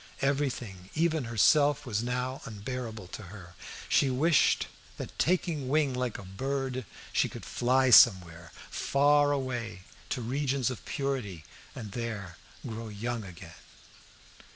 Everything, even herself, was now unbearable to her. She wished that, taking wing like a bird, she could fly somewhere, far away to regions of purity, and there grow young again.